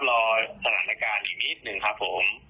รอสถานการณ์อีกนิดนึงครับผม